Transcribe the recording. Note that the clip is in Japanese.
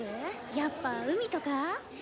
やっぱ海とか？